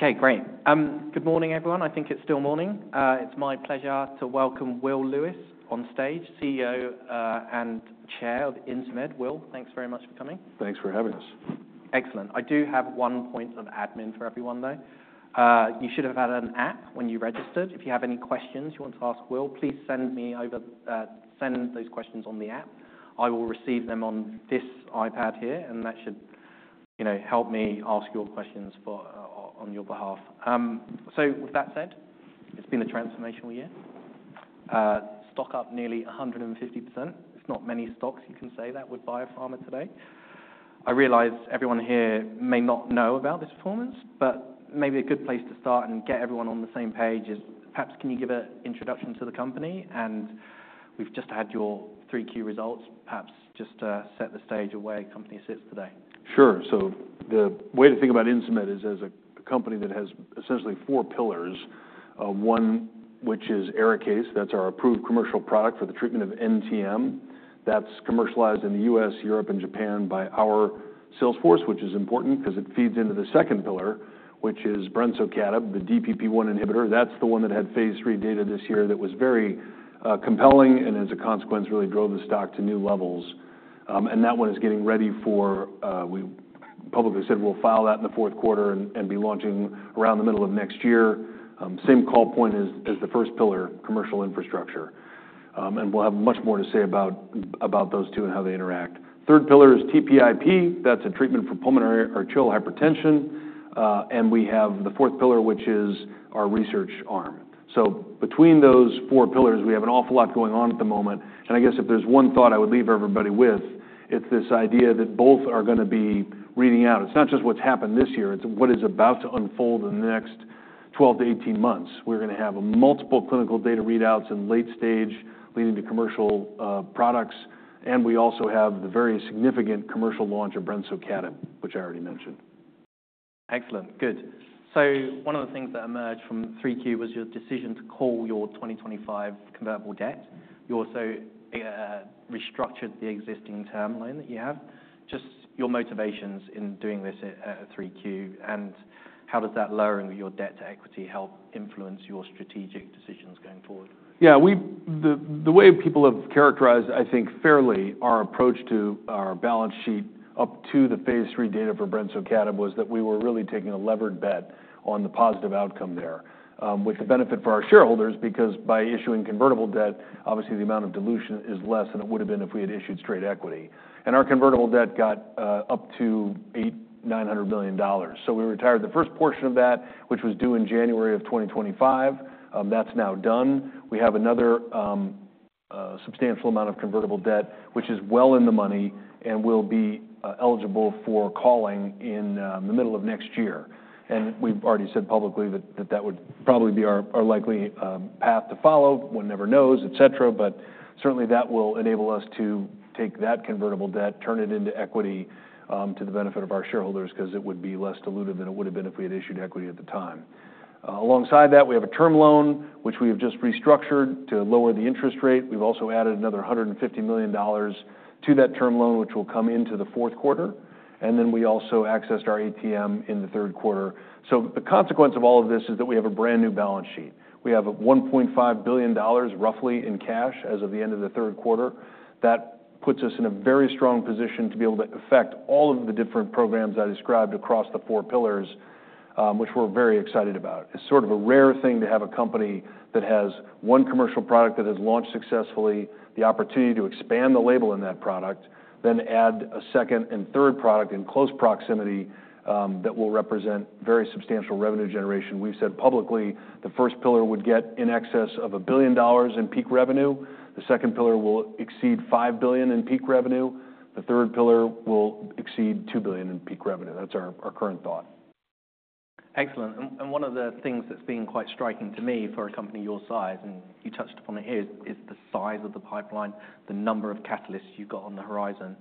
Okay, great. Good morning, everyone. I think it's still morning. It's my pleasure to welcome Will Lewis on stage, CEO and Chair of Insmed. Will, thanks very much for coming. Thanks for having us. Excellent. I do have one point of admin for everyone, though. You should have had an app when you registered. If you have any questions you want to ask Will, please send me over those questions on the app. I will receive them on this iPad here, and that should help me ask your questions on your behalf. So, with that said, it's been a transformational year. Stock up nearly 150%. It's not many stocks you can say that would in biopharma today. I realize everyone here may not know about this performance, but maybe a good place to start and get everyone on the same page is, perhaps, can you give an introduction to the company? And we've just had your 3Q results. Perhaps just to set the stage of where the company sits today. Sure. So, the way to think about Insmed is as a company that has essentially four pillars. One, which is Arikayce, that's our approved commercial product for the treatment of NTM. That's commercialized in the U.S., Europe, and Japan by our sales force, which is important because it feeds into the second pillar, which is Brensocatib, the DPP1 inhibitor. That's the one that had phase three data this year that was very compelling and, as a consequence, really drove the stock to new levels. And that one is getting ready for, we publicly said, we'll file that in the fourth quarter and be launching around the middle of next year. Same call point as the first pillar, commercial infrastructure. And we'll have much more to say about those two and how they interact. Third pillar is TPIP. That's a treatment for pulmonary arterial hypertension. And we have the fourth pillar, which is our research arm. So, between those four pillars, we have an awful lot going on at the moment. And I guess if there's one thought I would leave everybody with, it's this idea that both are going to be reading out. It's not just what's happened this year. It's what is about to unfold in the next 12 to 18 months. We're going to have multiple clinical data readouts in late stage leading to commercial products. And we also have the very significant commercial launch of Brensocatib, which I already mentioned. Excellent. Good. So, one of the things that emerged from 3Q was your decision to call your 2025 convertible debt. You also restructured the existing term loan that you have. Just your motivations in doing this at 3Q and how does that lowering of your debt to equity help influence your strategic decisions going forward? Yeah, the way people have characterized, I think, fairly our approach to our balance sheet up to the phase 3 data for brensocatib was that we were really taking a levered bet on the positive outcome there, with the benefit for our shareholders because by issuing convertible debt, obviously the amount of dilution is less than it would have been if we had issued straight equity. Our convertible debt got up to $800 million-$900 million. We retired the first portion of that, which was due in January of 2025. That's now done. We have another substantial amount of convertible debt, which is well in the money and will be eligible for calling in the middle of next year. We've already said publicly that that would probably be our likely path to follow. One never knows, et cetera. Certainly that will enable us to take that convertible debt, turn it into equity to the benefit of our shareholders because it would be less diluted than it would have been if we had issued equity at the time. Alongside that, we have a term loan, which we have just restructured to lower the interest rate. We've also added another $150 million to that term loan, which will come into the fourth quarter. We also accessed our ATM in the third quarter. The consequence of all of this is that we have a brand new balance sheet. We have $1.5 billion, roughly, in cash as of the end of the third quarter. That puts us in a very strong position to be able to affect all of the different programs I described across the four pillars, which we're very excited about. It's sort of a rare thing to have a company that has one commercial product that has launched successfully, the opportunity to expand the label in that product, then add a second and third product in close proximity that will represent very substantial revenue generation. We've said publicly the first pillar would get in excess of $1 billion in peak revenue. The second pillar will exceed $5 billion in peak revenue. The third pillar will exceed $2 billion in peak revenue. That's our current thought. Excellent. And one of the things that's been quite striking to me for a company your size, and you touched upon it here, is the size of the pipeline, the number of catalysts you've got on the horizon.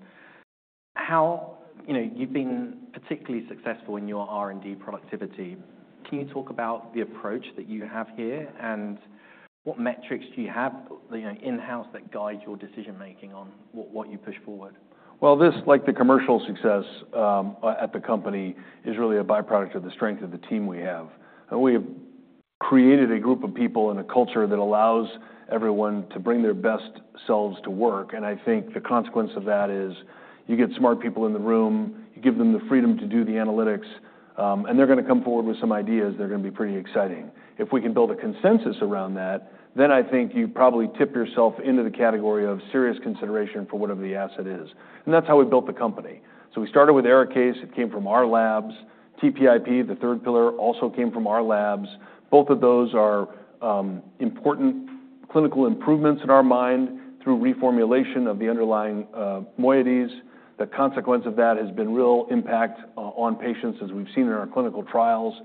You've been particularly successful in your R&D productivity. Can you talk about the approach that you have here and what metrics do you have in-house that guide your decision-making on what you push forward? This, like the commercial success at the company, is really a byproduct of the strength of the team we have. We have created a group of people and a culture that allows everyone to bring their best selves to work. I think the consequence of that is you get smart people in the room, you give them the freedom to do the analytics, and they're going to come forward with some ideas that are going to be pretty exciting. If we can build a consensus around that, then I think you probably tip yourself into the category of serious consideration for whatever the asset is. That's how we built the company. We started with Arikayce. It came from our labs. TPIP, the third pillar, also came from our labs. Both of those are important clinical improvements in our mind through reformulation of the underlying moieties. The consequence of that has been real impact on patients, as we've seen in our clinical trials.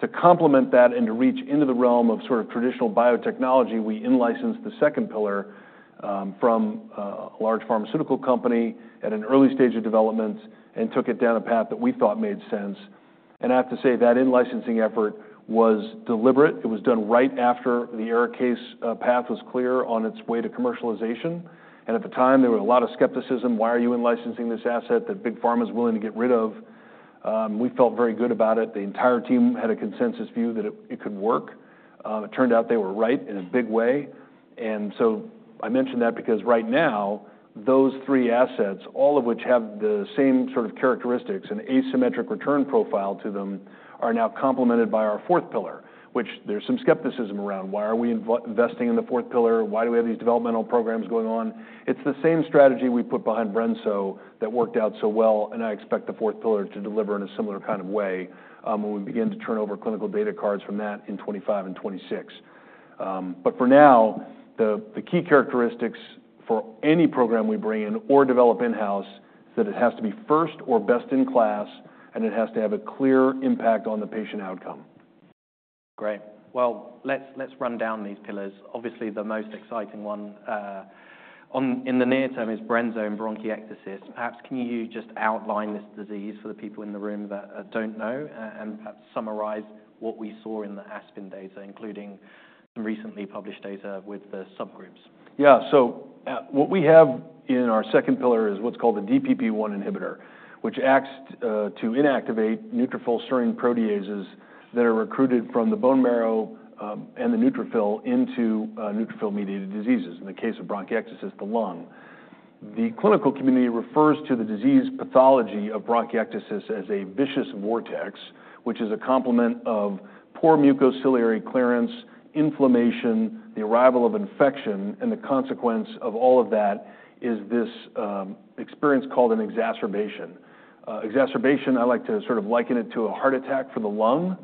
To complement that and to reach into the realm of sort of traditional biotechnology, we in-licensed the second pillar from a large pharmaceutical company at an early stage of development and took it down a path that we thought made sense. And I have to say that in-licensing effort was deliberate. It was done right after the Arikayce path was clear on its way to commercialization. And at the time, there was a lot of skepticism, "Why are you in-licensing this asset that big pharma is willing to get rid of?" We felt very good about it. The entire team had a consensus view that it could work. It turned out they were right in a big way. And so, I mention that because right now, those three assets, all of which have the same sort of characteristics and asymmetric return profile to them, are now complemented by our fourth pillar, which there's some skepticism around. Why are we investing in the fourth pillar? Why do we have these developmental programs going on? It's the same strategy we put behind Brensocatib that worked out so well. And I expect the fourth pillar to deliver in a similar kind of way when we begin to turn over clinical data cards from that in 2025 and 2026. But for now, the key characteristics for any program we bring in or develop in-house is that it has to be first or best in class, and it has to have a clear impact on the patient outcome. Great. Well, let's run down these pillars. Obviously, the most exciting one in the near term is brensocatib and bronchiectasis. Perhaps can you just outline this disease for the people in the room that don't know and perhaps summarize what we saw in the ASPEN data, including some recently published data with the subgroups? Yeah. So, what we have in our second pillar is what's called the DPP1 inhibitor, which acts to inactivate neutrophil serine proteases that are recruited from the bone marrow and the neutrophil into neutrophil-mediated diseases. In the case of bronchiectasis, the lung. The clinical community refers to the disease pathology of bronchiectasis as a vicious vortex, which is a complement of poor mucociliary clearance, inflammation, the arrival of infection, and the consequence of all of that is this experience called an exacerbation. Exacerbation, I like to sort of liken it to a heart attack for the lung.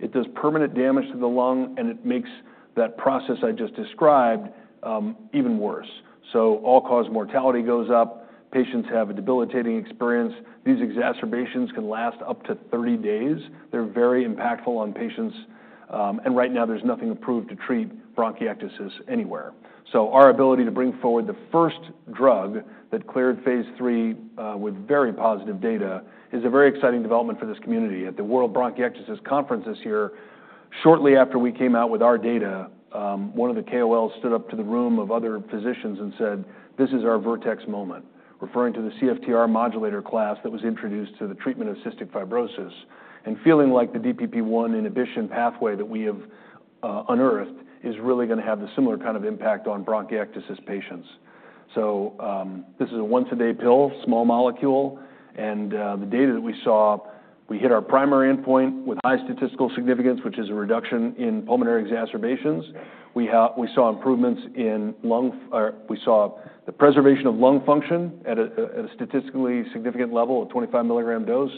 It does permanent damage to the lung, and it makes that process I just described even worse. So, all-cause mortality goes up. Patients have a debilitating experience. These exacerbations can last up to 30 days. They're very impactful on patients. And right now, there's nothing approved to treat bronchiectasis anywhere. So, our ability to bring forward the first drug that cleared phase III with very positive data is a very exciting development for this community. At the World Bronchiectasis Conference this year, shortly after we came out with our data, one of the KOLs stood up to the room of other physicians and said, "This is our Vertex moment," referring to the CFTR modulator class that was introduced to the treatment of cystic fibrosis. And feeling like the DPP1 inhibition pathway that we have unearthed is really going to have the similar kind of impact on bronchiectasis patients. So, this is a once-a-day pill, small molecule. And the data that we saw, we hit our primary endpoint with high statistical significance, which is a reduction in pulmonary exacerbations. We saw improvements in lung. We saw the preservation of lung function at a statistically significant level at 25 mg dose.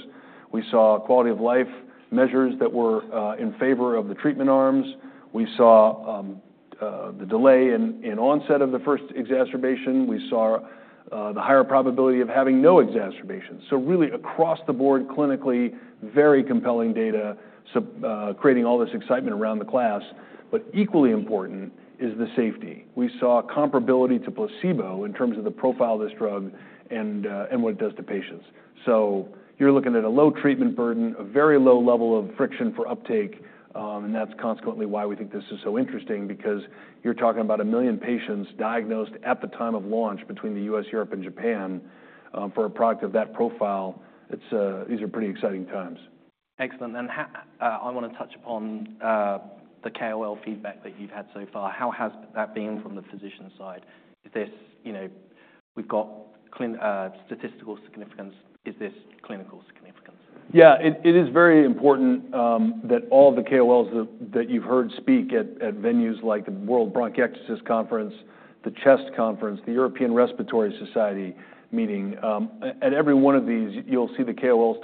We saw quality of life measures that were in favor of the treatment arms. We saw the delay in onset of the first exacerbation. We saw the higher probability of having no exacerbation. So, really, across the board, clinically, very compelling data, creating all this excitement around the class. But equally important is the safety. We saw comparability to placebo in terms of the profile of this drug and what it does to patients. So, you're looking at a low treatment burden, a very low level of friction for uptake. And that's consequently why we think this is so interesting, because you're talking about a million patients diagnosed at the time of launch between the U.S., Europe, and Japan for a product of that profile. These are pretty exciting times. Excellent. And I want to touch upon the KOL feedback that you've had so far. How has that been from the physician side? We've got statistical significance. Is this clinical significance? Yeah, it is very important that all the KOLs that you've heard speak at venues like the World Bronchiectasis Conference, the CHEST Conference, the European Respiratory Society meeting. At every one of these, you'll see the KOLs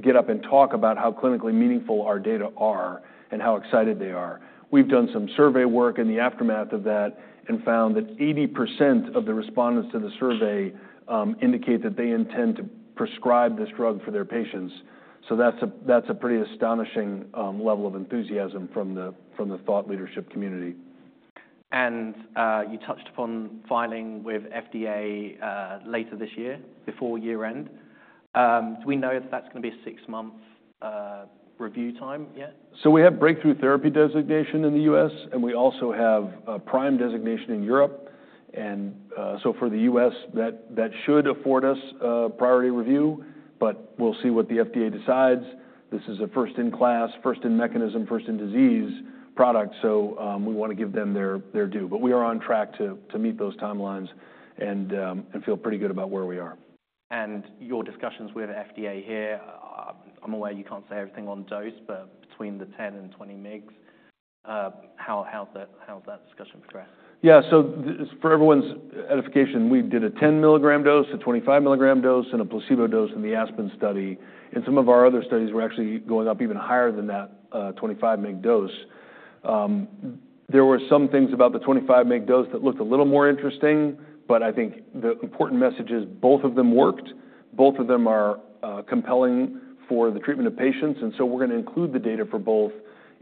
get up and talk about how clinically meaningful our data are and how excited they are. We've done some survey work in the aftermath of that and found that 80% of the respondents to the survey indicate that they intend to prescribe this drug for their patients. So, that's a pretty astonishing level of enthusiasm from the thought leadership community. You touched upon filing with FDA later this year, before year-end. Do we know that that's going to be a six-month review time yet? So, we have Breakthrough Therapy designation in the U.S., and we also have a PRIME designation in Europe. And so, for the U.S., that should afford us priority review. But we'll see what the FDA decides. This is a first-in-class, first-in-mechanism, first-in-disease product. So, we want to give them their due. But we are on track to meet those timelines and feel pretty good about where we are. Your discussions with FDA here, I'm aware you can't say everything on dose, but between the 10 and 20 mgs, how's that discussion progressed? Yeah. So, for everyone's edification, we did a 10 mg dose, a 25 mg dose, and a placebo dose in the ASPEN study. And some of our other studies were actually going up even higher than that 25 mg dose. There were some things about the 25 mg dose that looked a little more interesting. But I think the important message is both of them worked. Both of them are compelling for the treatment of patients. And so, we're going to include the data for both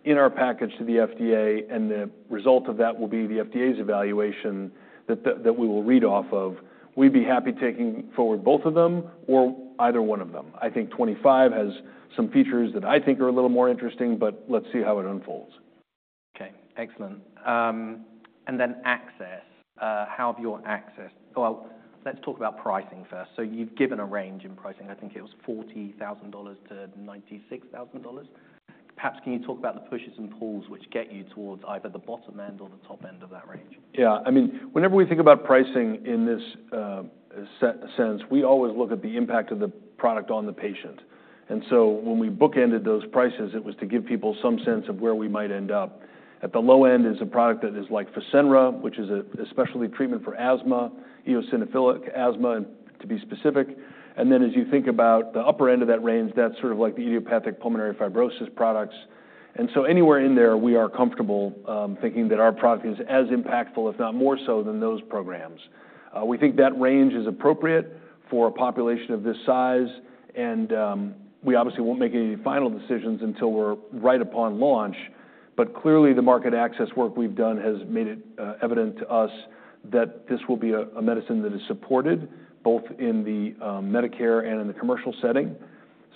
in our package to the FDA. And the result of that will be the FDA's evaluation that we will read off of. We'd be happy taking forward both of them or either one of them. I think 25 has some features that I think are a little more interesting, but let's see how it unfolds. Okay. Excellent. And then access. How have your access? Well, let's talk about pricing first. So, you've given a range in pricing. I think it was $40,000-$96,000. Perhaps can you talk about the pushes and pulls which get you towards either the bottom end or the top end of that range? Yeah. I mean, whenever we think about pricing in this sense, we always look at the impact of the product on the patient. And so, when we bookended those prices, it was to give people some sense of where we might end up. At the low end is a product that is like Fasenra, which is a specialty treatment for asthma, eosinophilic asthma, to be specific. And then, as you think about the upper end of that range, that's sort of like the idiopathic pulmonary fibrosis products. And so, anywhere in there, we are comfortable thinking that our product is as impactful, if not more so than those programs. We think that range is appropriate for a population of this size. And we obviously won't make any final decisions until we're right upon launch. But clearly, the market access work we've done has made it evident to us that this will be a medicine that is supported both in the Medicare and in the commercial setting.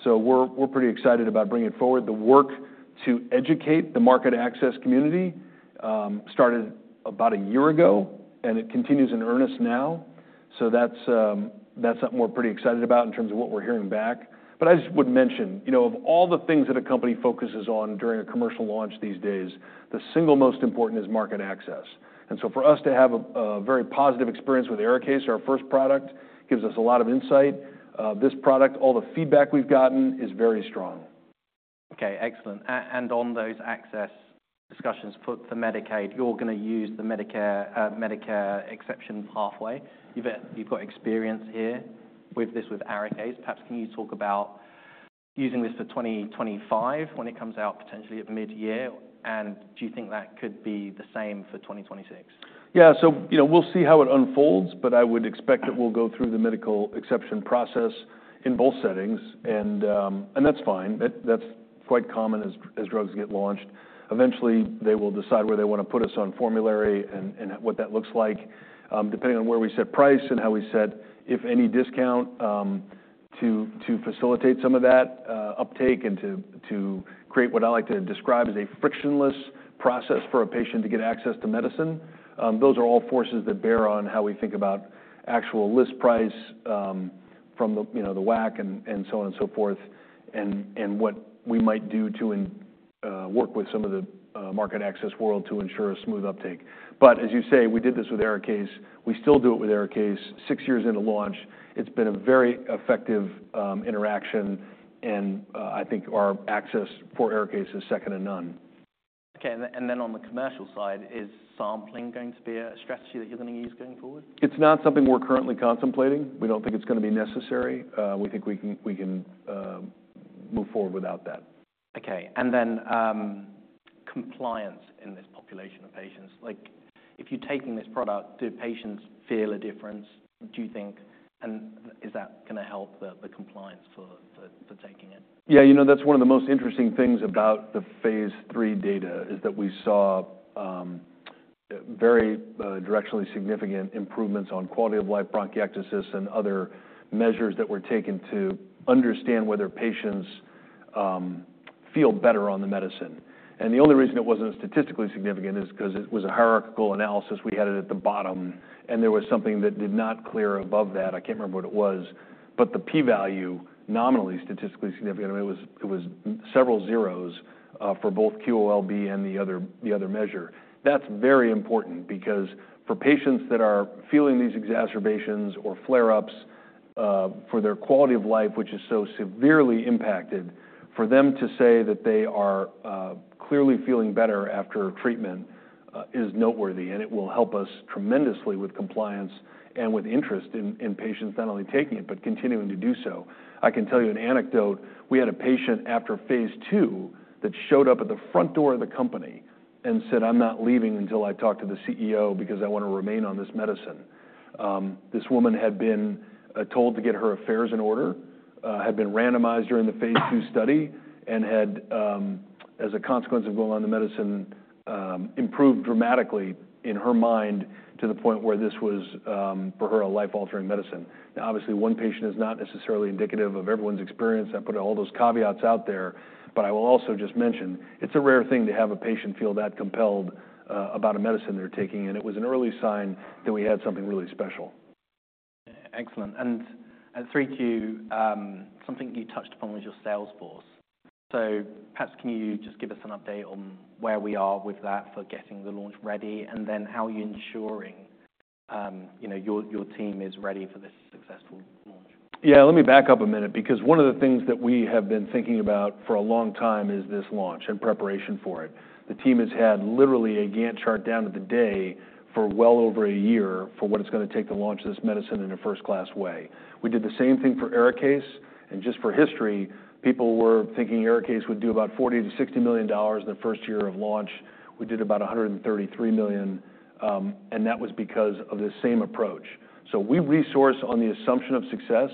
So, we're pretty excited about bringing it forward. The work to educate the market access community started about a year ago, and it continues in earnest now. So, that's something we're pretty excited about in terms of what we're hearing back. But I just would mention, of all the things that a company focuses on during a commercial launch these days, the single most important is market access. And so, for us to have a very positive experience with Arikayce, our first product, gives us a lot of insight. This product, all the feedback we've gotten is very strong. Okay. Excellent. And on those access discussions for Medicaid, you're going to use the Medicare exception pathway. You've got experience here with this with Arikayce. Perhaps can you talk about using this for 2025 when it comes out, potentially at mid-year? And do you think that could be the same for 2026? Yeah, so we'll see how it unfolds, but I would expect that we'll go through the medical exception process in both settings. That's fine. That's quite common as drugs get launched. Eventually, they will decide where they want to put us on formulary and what that looks like, depending on where we set price and how we set, if any, discount to facilitate some of that uptake and to create what I like to describe as a frictionless process for a patient to get access to medicine. Those are all forces that bear on how we think about actual list price from the WAC and so on and so forth and what we might do to work with some of the market access world to ensure a smooth uptake. As you say, we did this with Arikayce. We still do it with Arikayce six years into launch. It's been a very effective interaction, and I think our access for Arikayce is second to none. Okay. And then on the commercial side, is sampling going to be a strategy that you're going to use going forward? It's not something we're currently contemplating. We don't think it's going to be necessary. We think we can move forward without that. Okay. And then compliance in this population of patients. If you're taking this product, do patients feel a difference, do you think? And is that going to help the compliance for taking it? Yeah. You know, that's one of the most interesting things about the phase three data is that we saw very directionally significant improvements on Quality of Life-Bronchiectasis and other measures that were taken to understand whether patients feel better on the medicine, and the only reason it wasn't statistically significant is because it was a hierarchical analysis. We had it at the bottom, and there was something that did not clear above that. I can't remember what it was, but the p-value, nominally statistically significant, it was several zeros for both QOL-B and the other measure. That's very important because for patients that are feeling these exacerbations or flare-ups for their quality of life, which is so severely impacted, for them to say that they are clearly feeling better after treatment is noteworthy. It will help us tremendously with compliance and with interest in patients not only taking it, but continuing to do so. I can tell you an anecdote. We had a patient after phase II that showed up at the front door of the company and said, "I'm not leaving until I talk to the CEO because I want to remain on this medicine." This woman had been told to get her affairs in order, had been randomized during the phase II study, and had, as a consequence of going on the medicine, improved dramatically in her mind to the point where this was, for her, a life-altering medicine. Now, obviously, one patient is not necessarily indicative of everyone's experience. I put all those caveats out there. But I will also just mention, it's a rare thing to have a patient feel that compelled about a medicine they're taking. It was an early sign that we had something really special. Excellent. And turning to something you touched upon was your sales force. So, perhaps can you just give us an update on where we are with that for getting the launch ready and then how you're ensuring your team is ready for this successful launch? Yeah. Let me back up a minute, because one of the things that we have been thinking about for a long time is this launch and preparation for it. The team has had literally a Gantt chart down to the day for well over a year for what it's going to take to launch this medicine in a first-class way. We did the same thing for Arikayce. And just for history, people were thinking Arikayce would do about $40-$60 million in the first year of launch. We did about $133 million. And that was because of the same approach. So, we resourced on the assumption of success.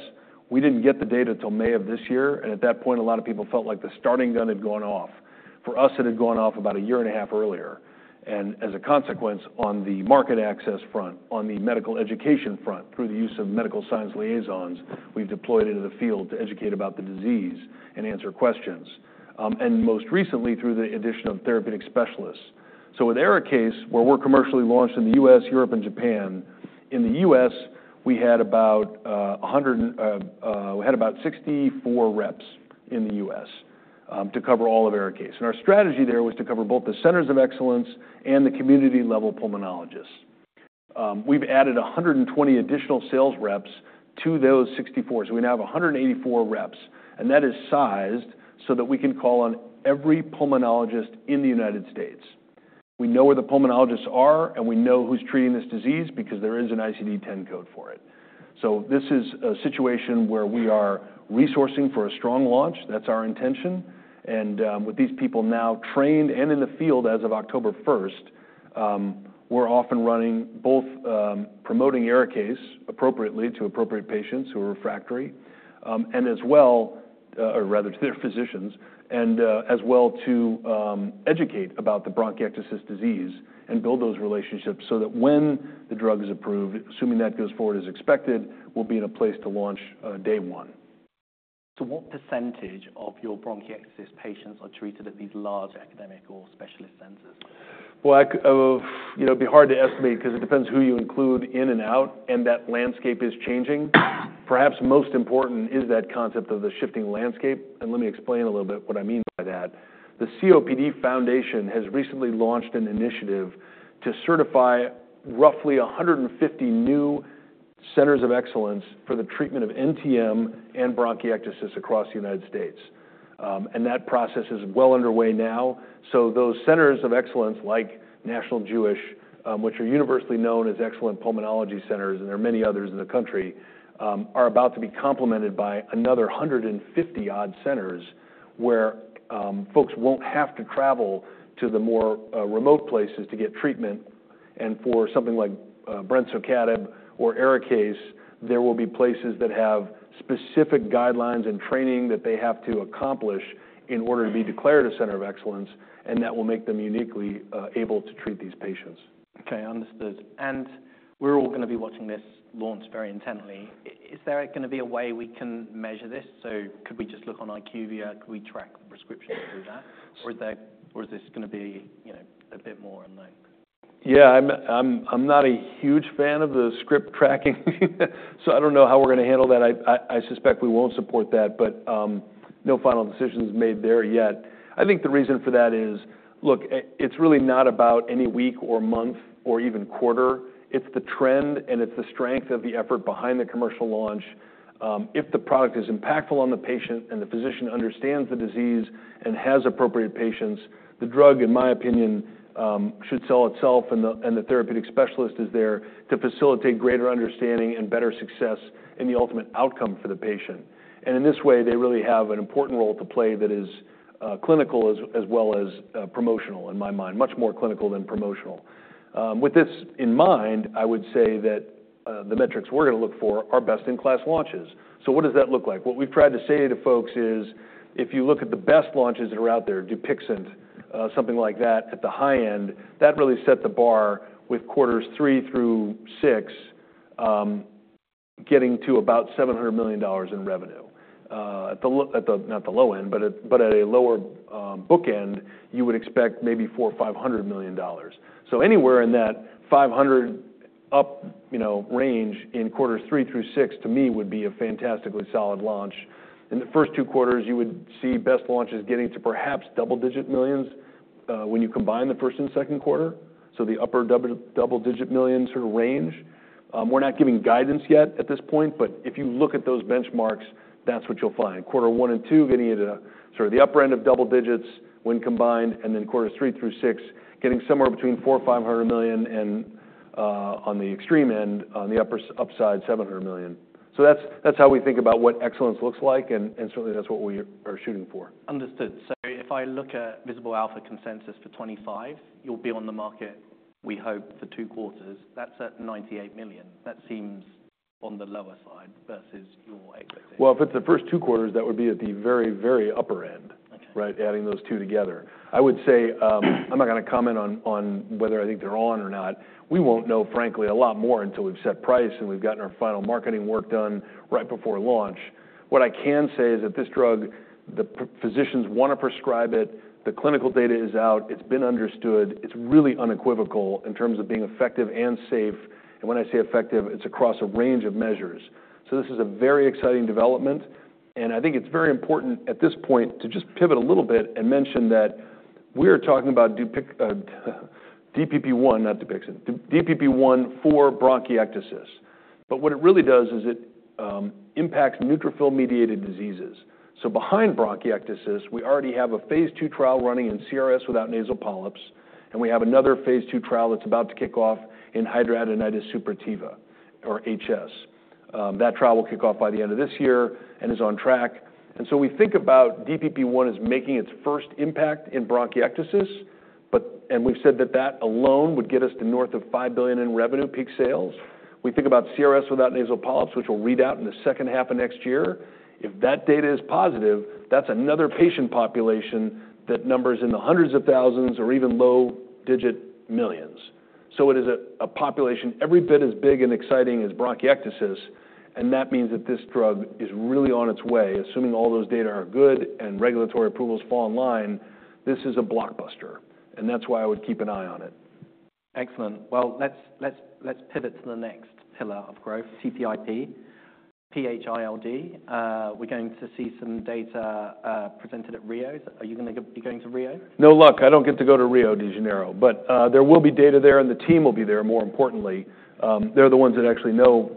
We didn't get the data until May of this year. And at that point, a lot of people felt like the starting gun had gone off. For us, it had gone off about a year and a half earlier. As a consequence, on the market access front, on the medical education front, through the use of medical science liaisons, we've deployed into the field to educate about the disease and answer questions. Most recently, through the addition of therapeutic specialists. With Arikayce, where we're commercially launched in the U.S., Europe, and Japan, in the U.S., we had about 64 reps in the U.S. to cover all of Arikayce. Our strategy there was to cover both the centers of excellence and the community-level pulmonologists. We've added 120 additional sales reps to those 64. We now have 184 reps. That is sized so that we can call on every pulmonologist in the United States. We know where the pulmonologists are, and we know who's treating this disease because there is an ICD-10 code for it. This is a situation where we are resourcing for a strong launch. That's our intention. And with these people now trained and in the field as of October 1st, we're off and running both promoting Arikayce appropriately to appropriate patients who are refractory and as well, or rather to their physicians, and as well to educate about the bronchiectasis disease and build those relationships so that when the drug is approved, assuming that goes forward as expected, we'll be in a place to launch day one. What percentage of your bronchiectasis patients are treated at these large academic or specialist centers? It'd be hard to estimate because it depends who you include in and out, and that landscape is changing. Perhaps most important is that concept of the shifting landscape. Let me explain a little bit what I mean by that. The COPD Foundation has recently launched an initiative to certify roughly 150 new centers of excellence for the treatment of NTM and bronchiectasis across the United States. That process is well underway now. Those centers of excellence, like National Jewish, which are universally known as excellent pulmonology centers, and there are many others in the country, are about to be complemented by another 150-odd centers where folks won't have to travel to the more remote places to get treatment. And for something like Brensocatib or Arikayce, there will be places that have specific guidelines and training that they have to accomplish in order to be declared a center of excellence. And that will make them uniquely able to treat these patients. Okay. Understood, and we're all going to be watching this launch very intently. Is there going to be a way we can measure this, so could we just look on IQVIA? Could we track prescriptions through that? Or is this going to be a bit more unknown? Yeah. I'm not a huge fan of the script tracking. So, I don't know how we're going to handle that. I suspect we won't support that. But no final decision is made there yet. I think the reason for that is, look, it's really not about any week or month or even quarter. It's the trend and it's the strength of the effort behind the commercial launch. If the product is impactful on the patient and the physician understands the disease and has appropriate patients, the drug, in my opinion, should sell itself, and the therapeutic specialist is there to facilitate greater understanding and better success in the ultimate outcome for the patient. And in this way, they really have an important role to play that is clinical as well as promotional, in my mind, much more clinical than promotional. With this in mind, I would say that the metrics we're going to look for are best-in-class launches. So, what does that look like? What we've tried to say to folks is, if you look at the best launches that are out there, Dupixent, something like that at the high end, that really set the bar with quarters three through six getting to about $700 million in revenue. Not the low end, but at a lower bookend, you would expect maybe $400,000 or $500,000. So, anywhere in that $500,000 up range in quarters three through six, to me, would be a fantastically solid launch. In the first two quarters, you would see best launches getting to perhaps double-digit millions when you combine the first and second quarter. So, the upper double-digit million sort of range. We're not giving guidance yet at this point. But if you look at those benchmarks, that's what you'll find. Quarter one and two getting you to sort of the upper end of double digits when combined, and then quarters three through six getting somewhere between $400,000 or $500,000 and on the extreme end, on the upper upside, $700,000. So, that's how we think about what excellence looks like. And certainly, that's what we are shooting for. Understood. If I look at Visible Alpha Consensus for 2025, you'll be on the market, we hope, for two quarters. That's at $98 million. That seems on the lower side versus your expectation. Well, if it's the first two quarters, that would be at the very, very upper end, right, adding those two together. I would say I'm not going to comment on whether I think they're on or not. We won't know, frankly, a lot more until we've set price and we've gotten our final marketing work done right before launch. What I can say is that this drug, the physicians want to prescribe it. The clinical data is out. It's been understood. It's really unequivocal in terms of being effective and safe. And when I say effective, it's across a range of measures. So, this is a very exciting development. And I think it's very important at this point to just pivot a little bit and mention that we are talking about DPP1, not Dupixent, DPP1 for bronchiectasis. But what it really does is it impacts neutrophil-mediated diseases. Behind bronchiectasis, we already have a phase II trial running in CRS without nasal polyps. We have another phase II trial that's about to kick off in Hidradenitis suppurativa or HS. That trial will kick off by the end of this year and is on track. We think about DPP1 as making its first impact in bronchiectasis. We've said that that alone would get us to north of $5 billion in revenue, peak sales. We think about CRS without nasal polyps, which will read out in the second half of next year. If that data is positive, that's another patient population that numbers in the hundreds of thousands or even low-digit millions. It is a population every bit as big and exciting as bronchiectasis. That means that this drug is really on its way. Assuming all those data are good and regulatory approvals fall in line, this is a blockbuster, and that's why I would keep an eye on it. Excellent. Well, let's pivot to the next pillar of growth, TPIP, PH-ILD. We're going to see some data presented at Rio. Are you going to Rio? No, look, I don't get to go to Rio de Janeiro. But there will be data there, and the team will be there, more importantly. They're the ones that actually know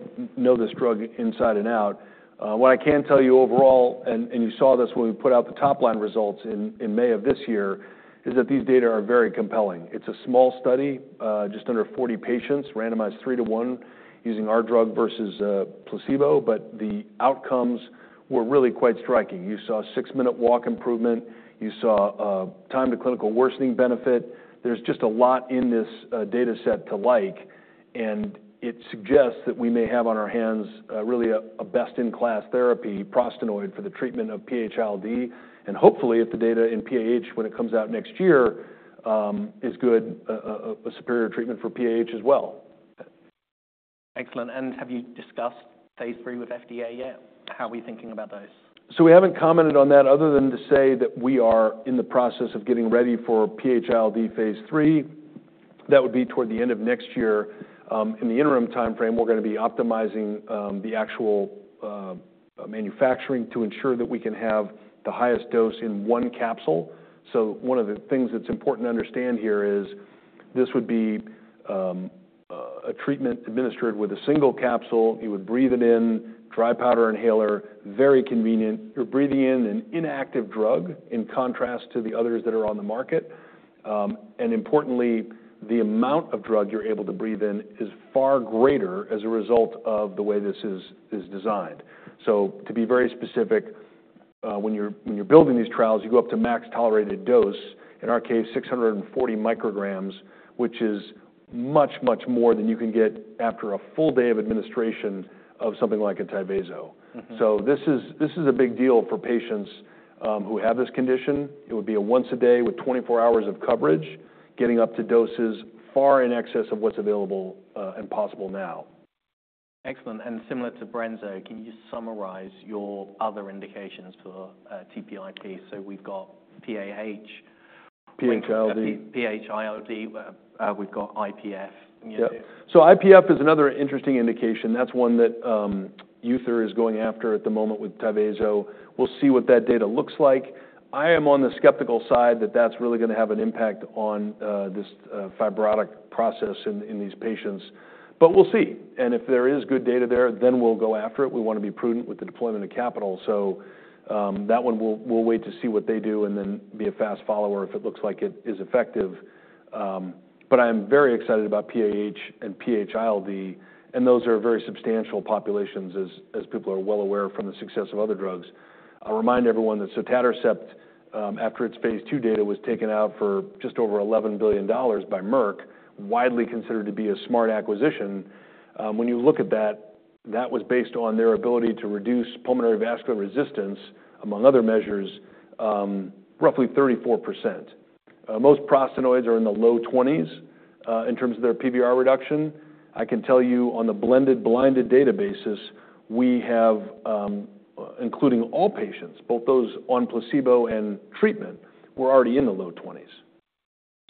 this drug inside and out. What I can tell you overall, and you saw this when we put out the top-line results in May of this year, is that these data are very compelling. It's a small study, just under 40 patients, randomized three to one using our drug versus placebo. But the outcomes were really quite striking. You saw a six-minute walk improvement. You saw time to clinical worsening benefit. There's just a lot in this data set to like. And it suggests that we may have on our hands really a best-in-class therapy, prostanoid, for the treatment of PH-ILD. And hopefully, if the data in PAH, when it comes out next year, is good, a superior treatment for PAH as well. Excellent. And have you discussed phase three with FDA yet? How are we thinking about those? We haven't commented on that other than to say that we are in the process of getting ready for PH-ILD phase three. That would be toward the end of next year. In the interim time frame, we're going to be optimizing the actual manufacturing to ensure that we can have the highest dose in one capsule. One of the things that's important to understand here is this would be a treatment administered with a single capsule. You would breathe it in, dry powder inhaler, very convenient. You're breathing in an inactive drug in contrast to the others that are on the market. And importantly, the amount of drug you're able to breathe in is far greater as a result of the way this is designed. So, to be very specific, when you're building these trials, you go up to max tolerated dose, in our case, 640 micrograms, which is much, much more than you can get after a full day of administration of something like a Tyvazo. So, this is a big deal for patients who have this condition. It would be a once-a-day with 24 hours of coverage, getting up to doses far in excess of what's available and possible now. Excellent. And similar to Brensocatib, can you summarize your other indications for TPIP? So, we've got PAH, PH-ILD, we've got IPF. Yeah. So, IPF is another interesting indication. That's one that UT is going after at the moment with Tyvazo. We'll see what that data looks like. I am on the skeptical side that that's really going to have an impact on this fibrotic process in these patients. But we'll see. And if there is good data there, then we'll go after it. We want to be prudent with the deployment of capital. So, that one, we'll wait to see what they do and then be a fast follower if it looks like it is effective. But I am very excited about PAH and PH-ILD. And those are very substantial populations, as people are well aware from the success of other drugs. I'll remind everyone that Sotatercept, after its phase II data was taken out for just over $11 billion by Merck, widely considered to be a smart acquisition. When you look at that, that was based on their ability to reduce pulmonary vascular resistance, among other measures, roughly 34%. Most prostanoids are in the low 20s in terms of their PVR reduction. I can tell you on the blended blinded data basis, we have, including all patients, both those on placebo and treatment, we're already in the low 20s.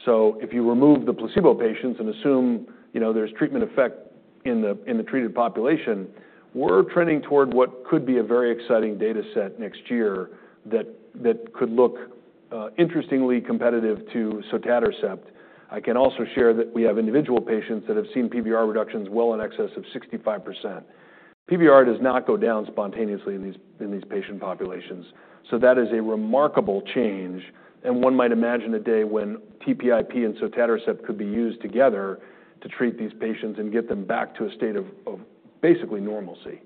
So, if you remove the placebo patients and assume there's treatment effect in the treated population, we're trending toward what could be a very exciting data set next year that could look interestingly competitive to sotatercept. I can also share that we have individual patients that have seen PVR reductions well in excess of 65%. PVR does not go down spontaneously in these patient populations. So, that is a remarkable change. And one might imagine a day when TPIP and Sotatercept could be used together to treat these patients and get them back to a state of basically normalcy.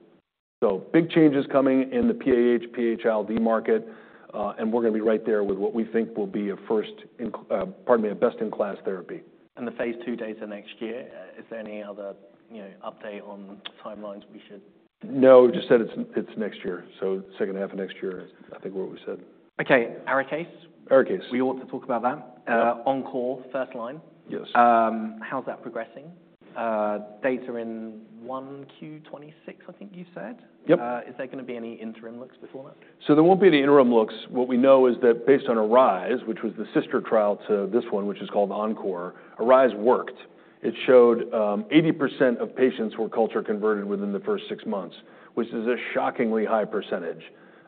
So, big changes coming in the PAH, PH-ILD market. And we're going to be right there with what we think will be a first, pardon me, a best-in-class therapy. The phase two data next year, is there any other update on timelines we should? No, just that it's next year. So, second half of next year is, I think, what we said. Okay. Arikayce? Arikayce. We ought to talk about that. ENCORE, first line. Yes. How's that progressing? Data in 1Q 2026, I think you said. Yep. Is there going to be any interim looks before that? So, there won't be any interim looks. What we know is that based on ARISE, which was the sister trial to this one, which is called ENCORE, ARISE worked. It showed 80% of patients were culture converted within the first six months, which is a shockingly high percentage.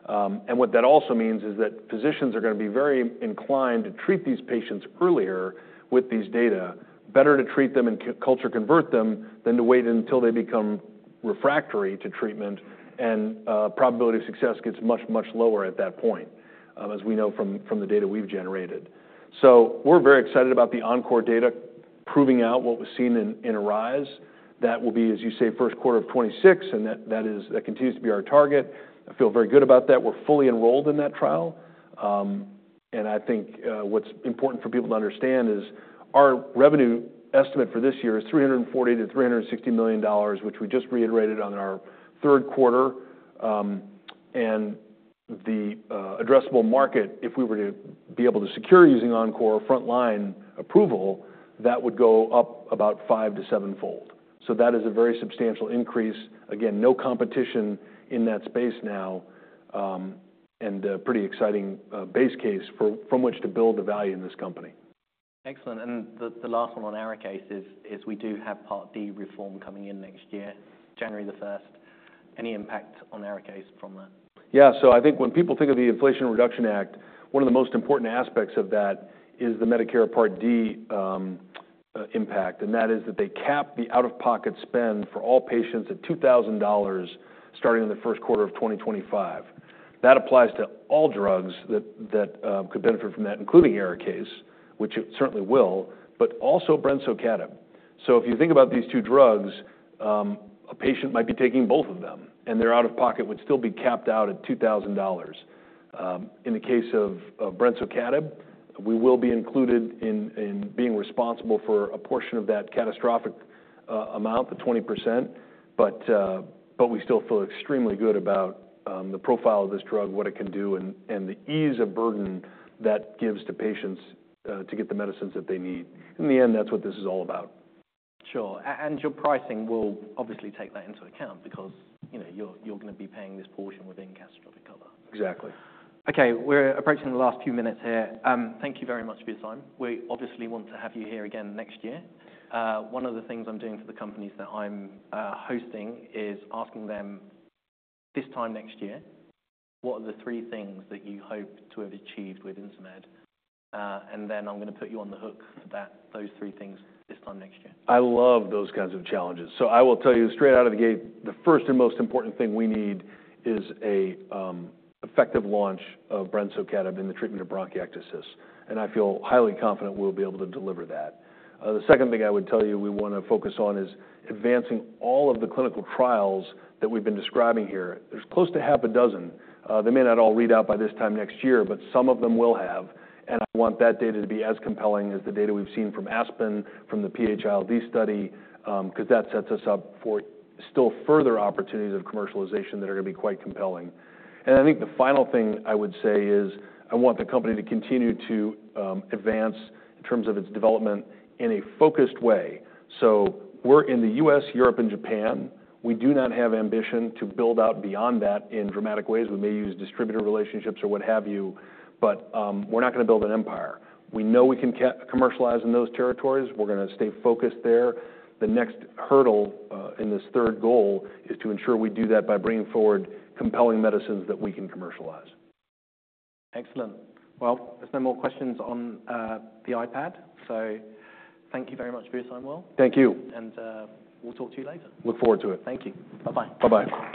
And what that also means is that physicians are going to be very inclined to treat these patients earlier with these data, better to treat them and culture convert them than to wait until they become refractory to treatment. And probability of success gets much, much lower at that point, as we know from the data we've generated. So, we're very excited about the ENCORE data proving out what was seen in ARISE. That will be, as you say, first quarter of 2026. And that continues to be our target. I feel very good about that. We're fully enrolled in that trial. I think what's important for people to understand is our revenue estimate for this year is $340-$360 million, which we just reiterated on our third quarter. The addressable market, if we were to be able to secure using ENCORE frontline approval, that would go up about five to seven-fold. That is a very substantial increase. Again, no competition in that space now. A pretty exciting base case from which to build the value in this company. Excellent. And the last one on Arikayce is we do have Part D reform coming in next year, January the 1st. Any impact on Arikayce from that? Yeah. So, I think when people think of the Inflation Reduction Act, one of the most important aspects of that is the Medicare Part D impact. And that is that they cap the out-of-pocket spend for all patients at $2,000 starting in the first quarter of 2025. That applies to all drugs that could benefit from that, including Arikayce, which it certainly will, but also Brensocatib. So, if you think about these two drugs, a patient might be taking both of them, and their out-of-pocket would still be capped out at $2,000. In the case of Brensocatib, we will be included in being responsible for a portion of that catastrophic amount, the 20%. But we still feel extremely good about the profile of this drug, what it can do, and the ease of burden that gives to patients to get the medicines that they need. In the end, that's what this is all about. Sure, and your pricing will obviously take that into account because you're going to be paying this portion within catastrophic coverage. Exactly. Okay. We're approaching the last few minutes here. Thank you very much for your time. We obviously want to have you here again next year. One of the things I'm doing for the companies that I'm hosting is asking them this time next year, what are the three things that you hope to have achieved with Insmed? And then I'm going to put you on the hook for those three things this time next year. I love those kinds of challenges. So, I will tell you straight out of the gate, the first and most important thing we need is an effective launch of Brensocatib in the treatment of bronchiectasis. And I feel highly confident we'll be able to deliver that. The second thing I would tell you we want to focus on is advancing all of the clinical trials that we've been describing here. There's close to half a dozen. They may not all read out by this time next year, but some of them will have. And I want that data to be as compelling as the data we've seen from Aspen, from the PH-ILD study, because that sets us up for still further opportunities of commercialization that are going to be quite compelling. And I think the final thing I would say is I want the company to continue to advance in terms of its development in a focused way. So, we're in the U.S., Europe, and Japan. We do not have ambition to build out beyond that in dramatic ways. We may use distributor relationships or what have you. But we're not going to build an empire. We know we can commercialize in those territories. We're going to stay focused there. The next hurdle in this third goal is to ensure we do that by bringing forward compelling medicines that we can commercialize. Excellent. Well, there's no more questions on the iPad. So, thank you very much, will Lewis. Thank you. We'll talk to you later. Look forward to it. Thank you. Bye-bye. Bye-bye.